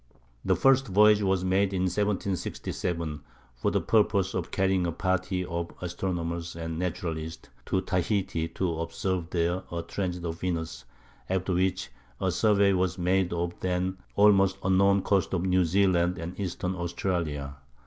The first voyage was made in 1767 for the purpose of carrying a party of astronomers and naturalists to Tahiti to observe there a transit of Venus, after which a survey was made of the then almost unknown coasts of New Zealand and Eastern Australia.